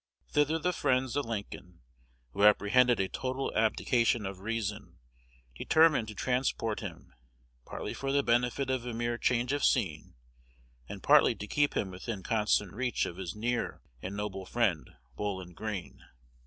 Thither the friends of Lincoln, who apprehended a total abdication of reason, determined to transport him, partly for the benefit of a mere change of scene, and partly to keep him within constant reach of his near and noble friend, Bowlin Greene.